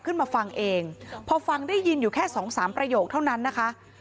ขึ้นมาฟังเองพอฟังได้ยินอยู่แค่สองสามประโยคเท่านั้นนะคะ